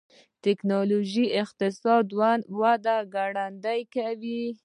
ټکنالوجي د اقتصاد وده ګړندۍ کوي.